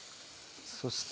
そして。